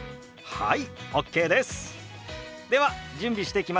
はい。